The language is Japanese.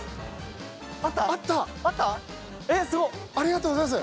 ありがとうございます。